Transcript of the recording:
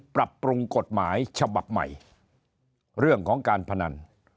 ปรับปรุงกฎหมายฉบับใหม่เรื่องของการพนัน